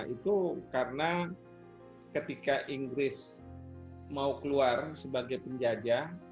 itu karena ketika inggris mau keluar sebagai penjajah